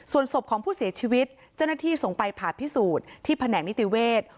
ส่วนศพของผู้เสียชีวิตเจ้าหน้าที่ส่งไปผ่าพิสูจน์ที่แผนกนิติเวศ